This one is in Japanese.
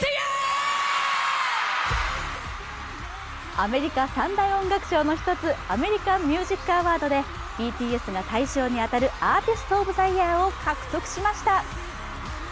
アメリカ三大音楽賞の一つアメリカン・ミュージック・アワードでＢＴＳが対象に当たるアーティスト・オブ・ザ・イヤーを獲得しました。